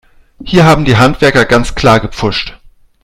Hier haben die Handwerker ganz klar gepfuscht.